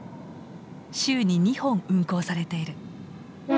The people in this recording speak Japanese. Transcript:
週に２本運行されている。